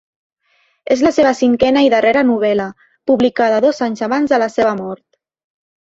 És la seva cinquena i darrera novel·la, publicada dos anys abans de la seva mort.